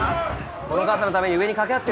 このガサのために上に掛け合ってるよ。